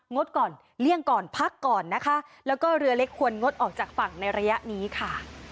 ดก่อนเลี่ยงก่อนพักก่อนนะคะแล้วก็เรือเล็กควรงดออกจากฝั่งในระยะนี้ค่ะ